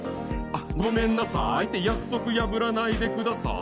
あ、ごめんなさーいって約束破らないでください。